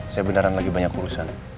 saya beneran lagi banyak urusan